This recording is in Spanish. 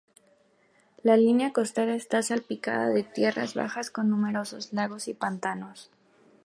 La línea costera está salpicada de tierras bajas con numerosos lagos y pantanos.